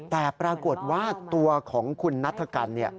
แต่ปรากฏว่าตัวของคุณนัฐกัน